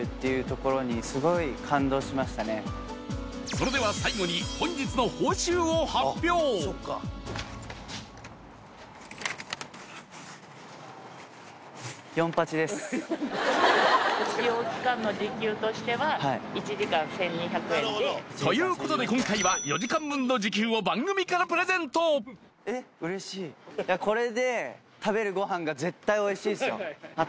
それでは最後にということで今回は４時間分の時給を番組からプレゼントだからこれ。